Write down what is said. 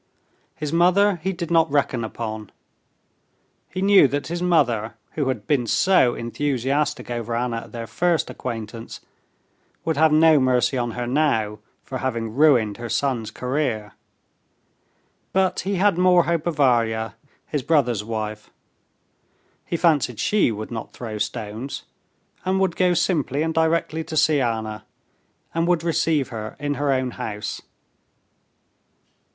His mother he did not reckon upon. He knew that his mother, who had been so enthusiastic over Anna at their first acquaintance, would have no mercy on her now for having ruined her son's career. But he had more hope of Varya, his brother's wife. He fancied she would not throw stones, and would go simply and directly to see Anna, and would receive her in her own house.